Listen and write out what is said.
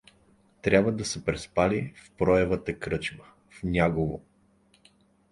Трябва да са преспали в Проевата кръчма, в Нягово.